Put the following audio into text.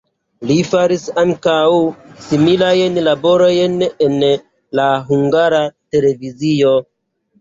Li faris ankaŭ similajn laborojn en la Hungara Televizio.